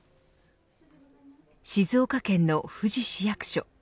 静岡県の富士市役所。